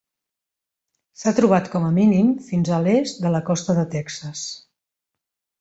S'ha trobat com a mínim fins a l'est de la costa de Texas.